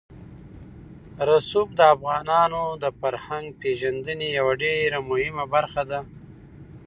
رسوب د افغانانو د فرهنګي پیژندنې یوه ډېره مهمه برخه ده.